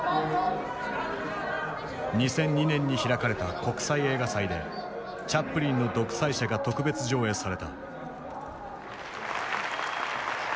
２００２年に開かれた国際映画祭でチャップリンの「独裁者」が特別上映された。